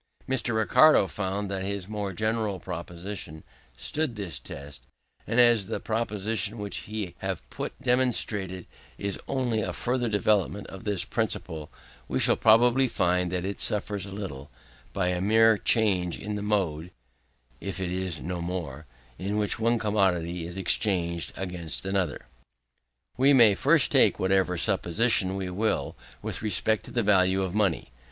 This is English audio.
Mr. Ricardo found that his more general proposition stood this test; and as the proposition which we have just demonstrated is only a further developement of his principle, we shall probably find that it suffers a little, by a mere change in the mode (for it is no more) in which one commodity is exchanged against another. We may at first make whatever supposition we will with respect to the value of money.